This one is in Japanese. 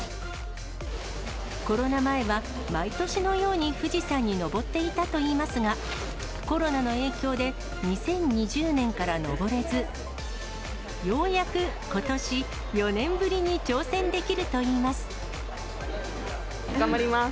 コロナ前は毎年のように富士山に登っていたといいますが、コロナの影響で、２０２０年から登れず、ようやくことし、４年ぶりに挑戦できると頑張ります。